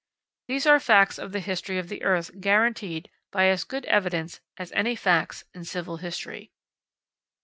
These are facts of the history of the earth guaranteed by as good evidence as any facts in civil history.